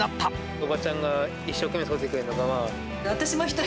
おばちゃんが一生懸命育ててくれたから。